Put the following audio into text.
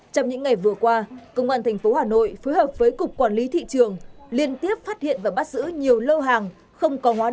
trong những ngày vừa qua công an thành phố hà nội phối hợp với cục quản lý thị trường liên tiếp phát hiện và bắt giữ nhiều lâu hàng không có hóa đơn chứng từ không có nhãn phụ